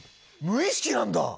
無意識なんだ！